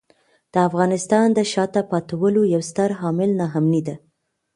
د افغانستان د شاته پاتې والي یو ستر عامل ناامني دی.